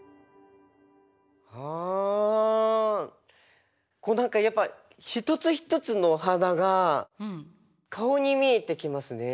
あこう何かやっぱ一つ一つのお花が顔に見えてきますね。